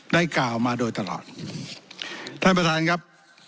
ได้กล่าวมาโดยตลอดท่านประธานครับ